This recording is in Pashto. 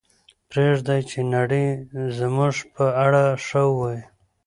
پرېږدئ چې نړۍ زموږ په اړه ښه ووایي.